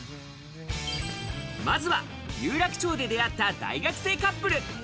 まずは有楽町で出会った大学生カップル。